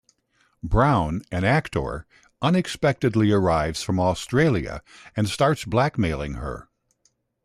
Brown, an actor, unexpectedly arrives from Australia and starts blackmailing her.